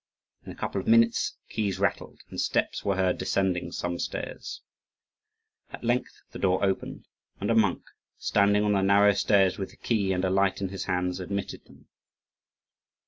In a couple of minutes, keys rattled, and steps were heard descending some stairs. At length the door opened, and a monk, standing on the narrow stairs with the key and a light in his hands, admitted them.